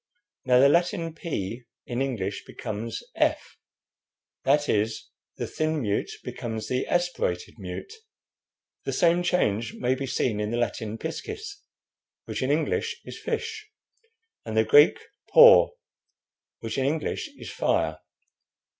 Now the Latin 'p' in English becomes 'f;' that is, the thin mute becomes the aspirated mute. The same change may be seen in the Latin 'piscis,' which in English is 'fish,' and the Greek '[pi upsilon rho]' which in English is 'fire.'